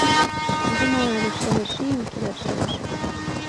اگه ما نداشته باشیم کی داشته باشه؟